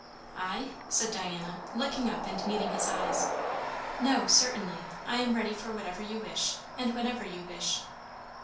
"I?" said Diana, looking up and meeting his eyes. "No, certainly. I am ready for whatever you wish, and whenever you wish."